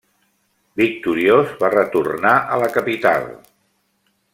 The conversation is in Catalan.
Victoriós va retornar a la capital.